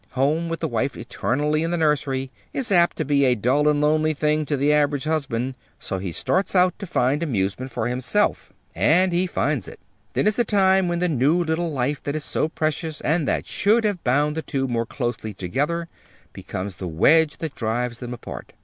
Home, with the wife eternally in the nursery, is apt to be a dull and lonely thing to the average husband, so he starts out to find amusement for himself and he finds it. Then is the time when the new little life that is so precious, and that should have bound the two more closely together, becomes the wedge that drives them apart."